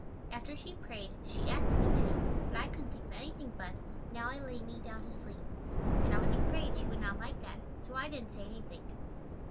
After she prayed, she asked me to, but I couldn't think of anything but "Now I lay me down to sleep," and I was afraid she would not like that, so I didn't say anything.